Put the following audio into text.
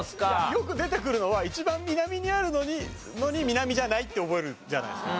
よく出てくるのは「一番南にあるのに南じゃない」って覚えるじゃないですか。